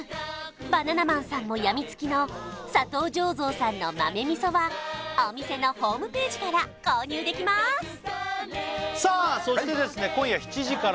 バナナマンさんもやみつきの佐藤醸造さんの豆みそはお店のホームページから購入できますさあ